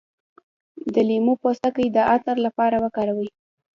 د لیمو پوستکی د عطر لپاره وکاروئ